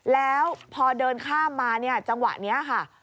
แล้วพอเดินข้ามมาเนี่ยจังหวะนี้ค่ะ